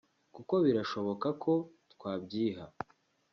kuko birashoboka ko twabyiha